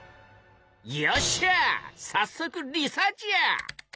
よっしゃさっそくリサーチや！